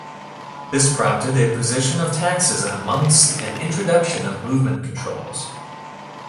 This prompted imposition of taxes on monks and introduction of movement controls.